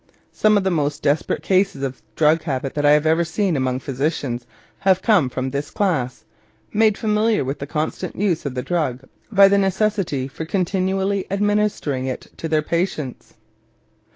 Some of the most desperate cases of drug habit that I have ever seen among physicians have come from this class, made familiar with the constant use of the drug by the necessity for continually administering it to their patients.